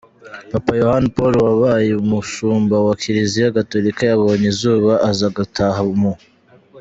Papa Yohani Paul wa wabaye umushumba wa Kiliziya Gatolika yabonye izuba, aza gutaha mu .